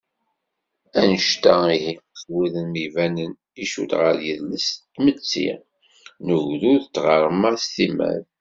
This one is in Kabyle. Annect-a ihi, s wudem ibanen, icudd ɣer yidles n tmetti, n ugdud, d tɣerma s timmad.